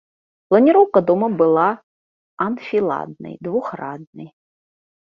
Планіроўка дома была анфіладнай двухраднай.